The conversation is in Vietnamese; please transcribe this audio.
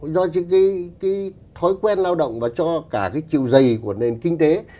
do những cái thói quen lao động và cho cả cái chiều dày của nền kinh tế